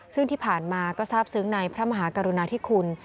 ซึ่งที่ผ่านมาก็ทราบซึ้งในพระมหากรุณาธิคุณ